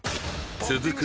続く